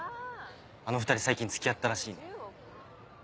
あの２人最近付き合ったらしいね。